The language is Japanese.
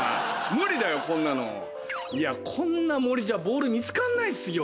無理だよこんなの。いやこんな森じゃボール見つかんないっすよ。